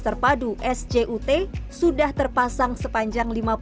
terpadu sjut sudah terpenuhi dan diperlukan oleh pemerintah dan pemerintah yang memiliki kekuatan